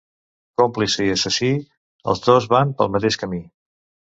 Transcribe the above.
Còmplice i assassí, els dos van pel mateix camí.